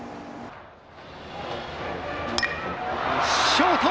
ショート。